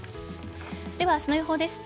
では明日の予報です。